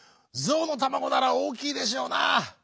ぞうのたまごならおおきいでしょうな。